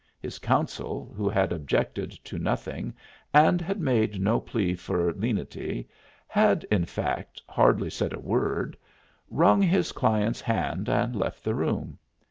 His counsel, who had objected to nothing and had made no plea for lenity had, in fact, hardly said a word wrung his client's hand and left the room.